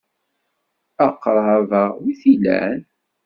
Aqṛab-a wi t-ilan?